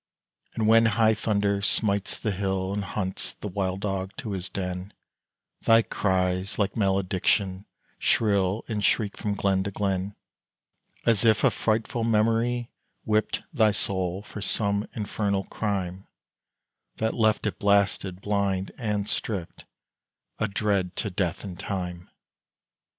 And when high thunder smites the hill And hunts the wild dog to his den, Thy cries, like maledictions, shrill And shriek from glen to glen, As if a frightful memory whipped Thy soul for some infernal crime That left it blasted, blind, and stript A dread to Death and Time!